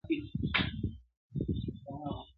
که د سهار ورک ماښام کور ته راسي هغه ورک نه دئ -